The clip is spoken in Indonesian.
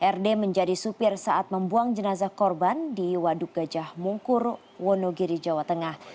rd menjadi supir saat membuang jenazah korban di waduk gajah mungkur wonogiri jawa tengah